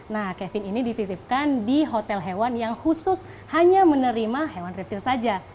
nah kevin ini dititipkan di hotel hewan yang khusus hanya menerima hewan reptil saja